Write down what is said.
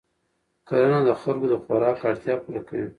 کرنه د خلکو د خوراک اړتیا پوره کوي